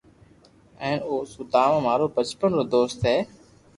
ھي او سوداما مارو بچپن رو دوست ھي